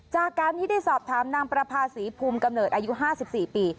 จากการที่ได้สอบถามนางประพาศีภูมิกำเนิดอายุห้าสิบสี่ปี